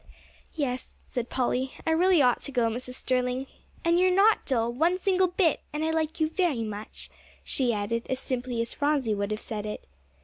"Yes," said Polly, "I really ought to go, Mrs. Sterling. And you are not dull, one single bit, and I like you very much," she added as simply as Phronsie would have said it.